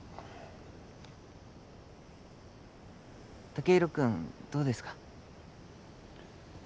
剛洋君どうですか？